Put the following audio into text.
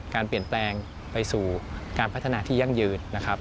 การเปลี่ยนแปลงไปสู่การพัฒนาที่ยั่งยืนนะครับ